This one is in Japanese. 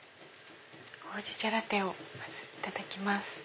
ほうじ茶ラテをまずいただきます。